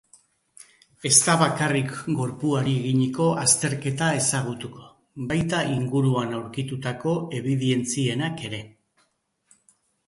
Ez da bakarrik gorpuari eginiko azterketa ezagutuko, baita inguruan aurkitutako ebidentzienak ere.